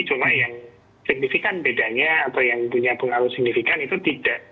cuma yang signifikan bedanya atau yang punya pengaruh signifikan itu tidak